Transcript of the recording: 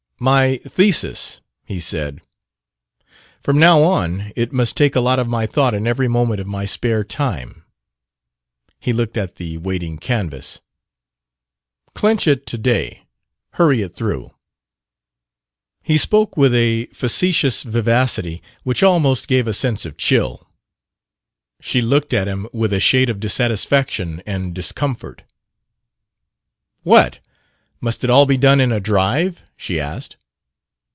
"My thesis," he said. "From now on, it must take a lot of my thought and every moment of my spare time." He looked at the waiting canvas. "Clinch it to day. Hurry it through." He spoke with a factitious vivacity which almost gave a sense of chill. She looked at him with a shade of dissatisfaction and discomfort. "What! must it all be done in a drive?" she asked.